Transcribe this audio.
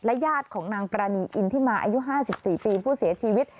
ญาติของนางปรานีอินทิมาอายุ๕๔ปีผู้เสียชีวิต